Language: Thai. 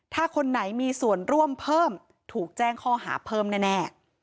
ถ้าคนไหนมีส่วนร่วมเพิ่มถูกแจ้งข้อหาเพิ่มแน่